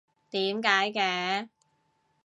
點解嘅？